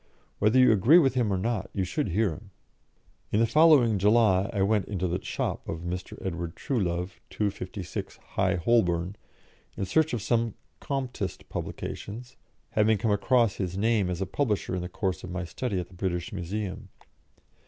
Whether you agree with him or not, you should hear him." In the following July I went into the shop of Mr. Edward Truelove, 256, High Holborn, in search of some Comtist publications, having come across his name as a publisher in the course of my study at the British Museum.